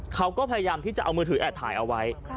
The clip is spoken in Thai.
เขาก็พยายามที่จะเอามือถือแอบถ่ายเอาไว้